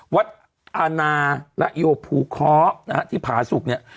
วัดอานาและโยภูเคาะที่ผาสุกเนี่ย